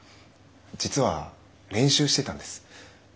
実は練習してたんです。